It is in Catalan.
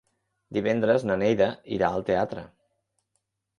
Divendres na Neida irà al teatre.